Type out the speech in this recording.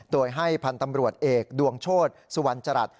โดยให้พันธ์ตำรวจเอกดวงโชธสุวรรณจรัส